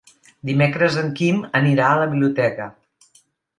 Dimecres en Quim anirà a la biblioteca.